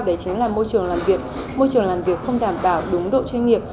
đấy chính là môi trường làm việc môi trường làm việc không đảm bảo đúng độ chuyên nghiệp